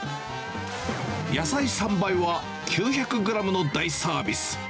野菜３倍は９００グラムの大サービス。